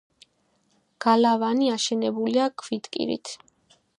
გალავანი აშენებულია ქვითკირით.